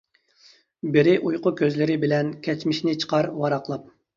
بىرى ئۇيقۇ كۆزلىرى بىلەن، كەچمىشىنى چىقار ۋاراقلاپ.